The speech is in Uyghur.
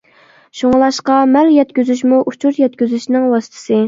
شۇڭلاشقا مال يەتكۈزۈشمۇ ئۇچۇر يەتكۈزۈشنىڭ ۋاسىتىسى.